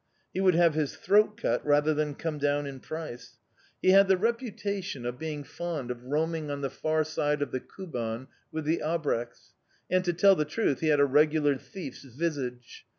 He would have his throat cut rather than come down in price. He had the reputation of being fond of roaming on the far side of the Kuban with the Abreks; and, to tell the truth, he had a regular thief's visage.